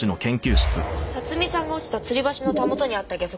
辰巳さんが落ちたつり橋のたもとにあったゲソ痕です。